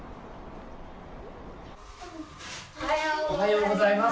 おはようございます。